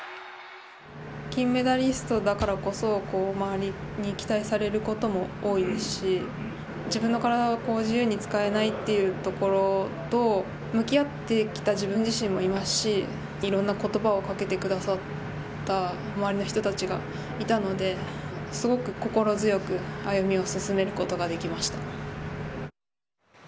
金メダリストだからこそ、周りに期待されることも多いですし、自分の体が自由に使えないっていうところと向き合ってきた自分自身もいますし、いろんなことばをかけてくださった周りの人たちがいたので、すごく心強く歩みを進めることができました。